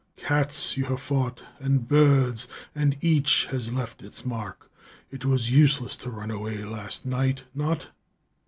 Cats you have fought, and birds, and each has left its mark. It was useless to run away last night not?"